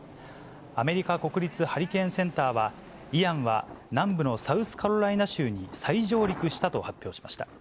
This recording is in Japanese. アメリカ国立ハリケーンセンターは、イアンは、南部のサウスカロライナ州に再上陸したと発表しました。